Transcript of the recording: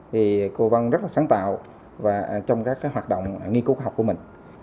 thì cô vân rất sáng tạo và trong các hoạt động nghiên cứu khoa học của mình